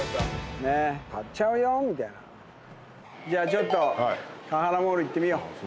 ちょっとカハラモール行ってみよう。